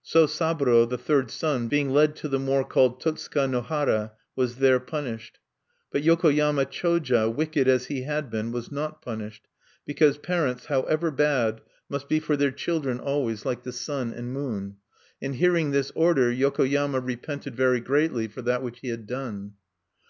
So Saburo, the third son, being led to the moor called Totsuka no hara, was there punished. But Yokoyama Choja, wicked as he had been, was not punished; because parents, however bad, must be for their children always like the sun and moon. And hearing this order, Yokoyama repented very greatly for that which he had done.